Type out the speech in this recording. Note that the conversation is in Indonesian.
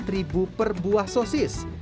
rp empat per buah sosis